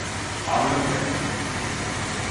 hablo en serio.